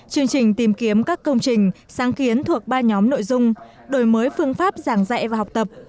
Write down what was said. chương trình tìm kiếm các công trình sáng kiến thuộc ba nhóm nội dung đổi mới phương pháp giảng dạy và học tập